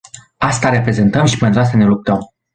Asta reprezentăm și pentru asta ne luptăm.